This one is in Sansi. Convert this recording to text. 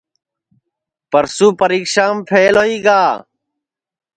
پرسو پریکشام پھیل ہوئی گا